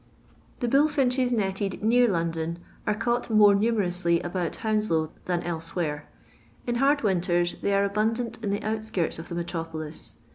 The bullfinches netted near London are caught more numerously about Honnslow than elsewhere. In hard winters they are abundant in the out skirts of the metropolis.